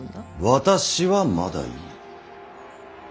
私はまだいい。